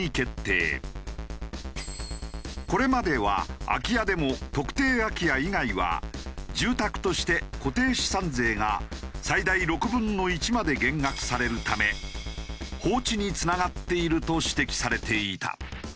これまでは空き家でも特定空き家以外は住宅として固定資産税が最大６分の１まで減額されるため放置につながっていると指摘されていた。